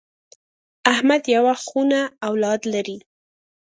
احمد یوه خونه اولاد لري.